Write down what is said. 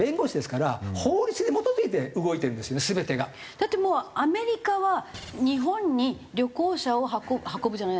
だってもうアメリカは日本に旅行者をはこ「運ぶ」じゃない。